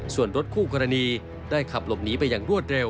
ส่วนรถคู่กรณีได้ขับหลบหนีไปอย่างรวดเร็ว